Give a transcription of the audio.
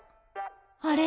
あれ？